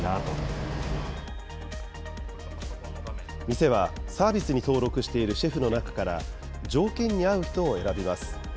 店はサービスに登録しているシェフの中から条件に合う人を選びます。